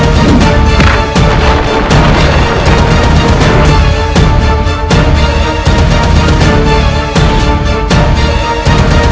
jangan selalu makhluk jahat